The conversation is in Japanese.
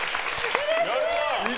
うれしい！